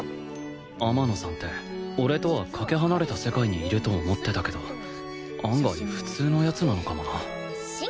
天野さんって俺とはかけ離れた世界にいると思ってたけど案外普通の奴なのかもな送信！